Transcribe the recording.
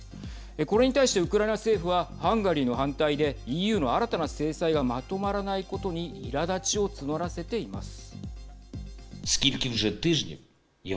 これに対してウクライナ政府はハンガリーの反対でＥＵの新たな制裁がまとまらないことにいらだちを募らせています。